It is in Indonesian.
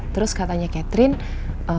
terus katanya catherine